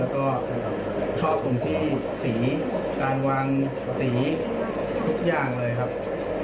แล้วก็ชอบตรงที่สีการวางสีทุกอย่างเลยครับ